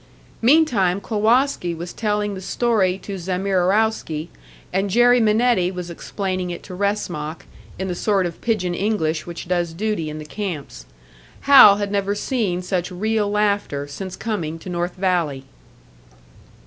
Meantime Klowoski was telling the story to Zamierowski, and Jerry Minetti was explaining it to Wresmak, in the sort of pidgin English which does duty in the camps. Hal had never seen such real laughter since coming to North Valley.